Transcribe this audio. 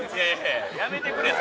やめてくれ。